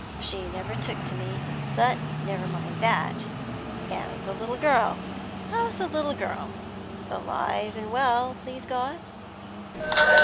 She never took to me, but never mind that. And the little girl? How's the little girl? Alive and well, please God?'